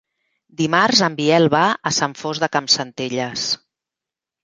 Dimarts en Biel va a Sant Fost de Campsentelles.